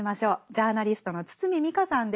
ジャーナリストの堤未果さんです。